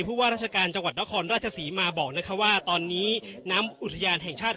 ว่าราชการจังหวัดนครราชศรีมาบอกนะคะว่าตอนนี้น้ำอุทยานแห่งชาติ